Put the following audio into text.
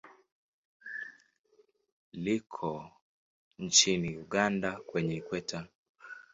Liko nchini Uganda kwenye Ikweta.